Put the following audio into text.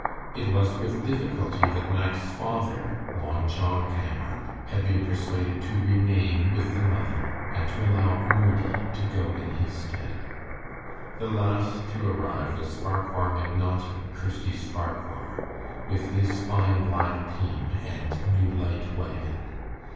It was with difficulty that Mack's father, Long John Cameron, had been persuaded to remain with the mother and to allow Murdie to go in his stead. The last to arrive was Farquhar McNaughton, Kirsty's Farquhar, with his fine black team and new light wagon.